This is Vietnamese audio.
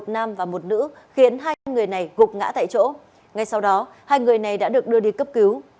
một nam và một nữ khiến hai người này gục ngã tại chỗ ngay sau đó hai người này đã được đưa đi cấp cứu